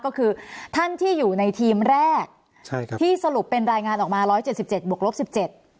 ก็คือท่านที่อยู่ในทีมแรกใช่ครับที่สรุปเป็นรายงานออกมาร้อยเจ็ดสิบเจ็ดบวกลบสิบเจ็ด